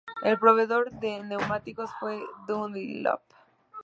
El proveedor de neumáticos fue Dunlop.